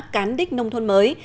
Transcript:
cán đích nông thôn mới